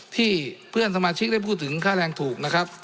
ที่เพื่อนสมาชิกได้พูดถึงค่าแรงถูก